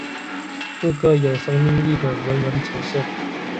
是个有生命力的人文城市